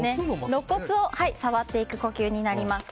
ろっ骨を触っていく呼吸になります。